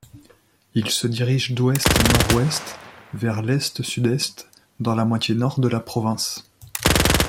Il se dirige d'ouest-nord-ouest vers l'est-sud-est, dans la moitié nord de la province.